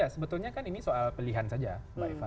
sebetulnya kan ini soal pilihan saja mbak eva